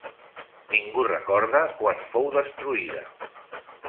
Ningú recorda quan fou destruïda.